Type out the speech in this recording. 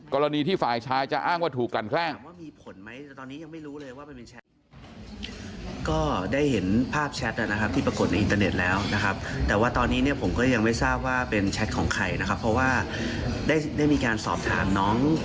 กรณีที่ฝ่ายชายจะอ้างว่าถูกกันแกล้ง